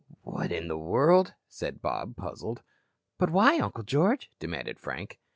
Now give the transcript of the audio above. "What in the world?" said Bob, puzzled. "But why, Uncle George?" demanded Frank.